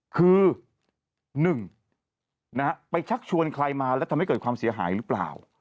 คือ๑ไปชักชวนใครมาแล้วทำให้เกิดความเสียหายหรือเปล่า